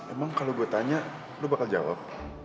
emang kalau gue tanya lu bakal jawab